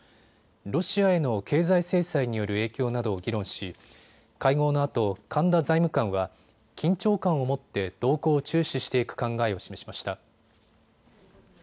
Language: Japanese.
ロシアへの経済制裁による影響などを議論し、会合のあと神田財務官は緊張感を持って動向を注視していく考えを示しました。